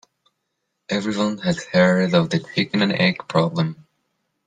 Everyone has heard of the chicken and egg problem.